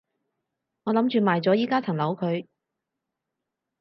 我諗住賣咗依加層樓佢